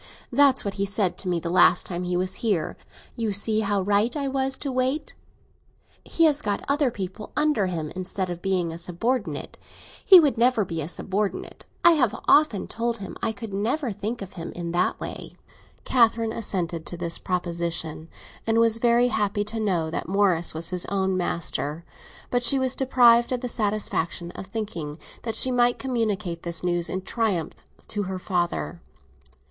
That's what he said to me the last time he was here—'You see how right I was to wait!' He has got other people under him, instead of being a subordinate. He could never be a subordinate; I have often told him I could never think of him in that way." Catherine assented to this proposition, and was very happy to know that Morris was his own master; but she was deprived of the satisfaction of thinking that she might communicate this news in triumph to her father.